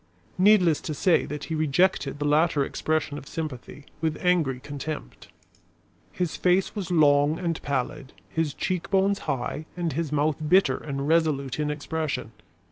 Needless to say that he rejected the latter expression of sympathy, with angry contempt. His face was long and pallid, his cheek bones high and his mouth bitter and resolute in expression.